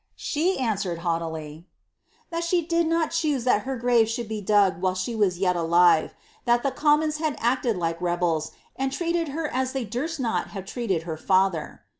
She answered, haughtily, ^^that she did not choose that her grave should be dug while she was yet alive ; that the commons had acted like rebels, and had treated her as they durst not have treated her father."